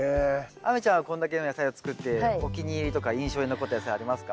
亜美ちゃんはこんだけの野菜を作ってお気に入りとか印象に残った野菜ありますか？